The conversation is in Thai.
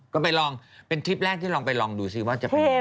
ก็ไปลองเป็นทริปแรกที่ลองไปลองดูซิว่าจะเป็นยังไง